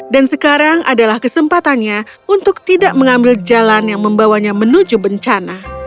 dan sekarang adalah kesempatannya untuk tidak mengambil jalan yang membawanya menuju bencana